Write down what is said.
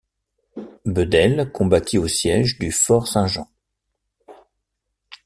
Bedel combattit au siège du Fort Saint-Jean.